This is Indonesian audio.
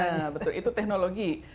nah betul itu teknologi